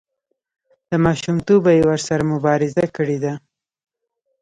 له ماشومتوبه یې ورسره مبارزه کړې ده.